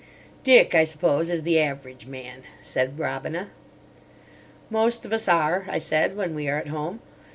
"Dick, I suppose, is the average man," said Robina. "Most of us are," I said, "when we are at home.